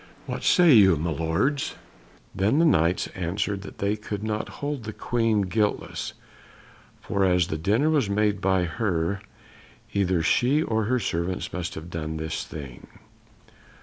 What say you, my lords?" Then the Knights answered that they could not hold the Queen guiltless, for as the dinner was made by her either she or her servants must have done this thing.